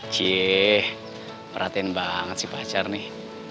ciee merhatiin banget si pacar nih